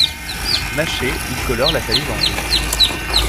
Mâché il colore la salive en rouge.